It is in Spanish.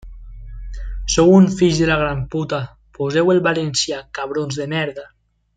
En el Paraguay habita en los departamentos de Alto Paraguay, Concepción, y Presidente Hayes.